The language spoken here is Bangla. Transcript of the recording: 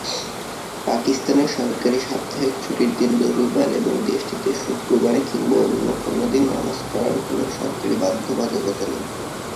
পাকিস্তানে সরকারী সাপ্তাহিক ছুটির দিন রবিবার এবং দেশটিতে শুক্রবারে কিংবা অন্য কোনো দিন নামাজ পড়ার কোনো সরকারী বাধ্যবাধকতা নেই।